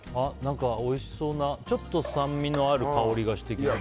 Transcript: おいしそうな、ちょっと酸味のある香りがしてきた。